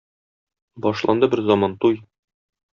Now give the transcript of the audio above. Башланды берзаман туй.